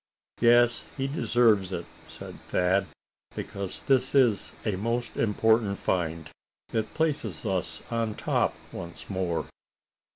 "Yes, he deserves it," said Thad, "because this is a most important find. It places us on top once more."